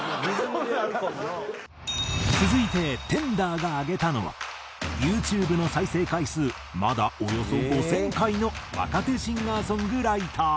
続いてＴＥＮＤＲＥが挙げたのはＹｏｕＴｕｂｅの再生回数まだおよそ５０００回の若手シンガーソングライター。